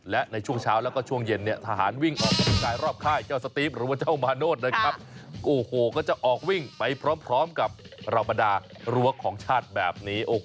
และช่วงเช้าและเชิงเย็นสหารวิ่งออกกำลังกายรอบคลายเจ้าสตีฟหรือว่าเจ้ามาโนธก็จะออกวิ่งไปพร้อมกับเราประดาษรั้วของชาติแบบนี้